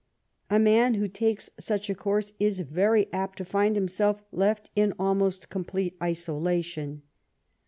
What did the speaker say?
A man who takes such a course is very apt to find himself left in almost complete isolation.